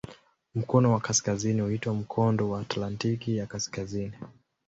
Mkono wa kaskazini huitwa "Mkondo wa Atlantiki ya Kaskazini".